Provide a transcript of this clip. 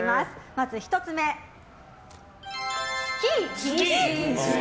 まず１つ目、スキー禁止。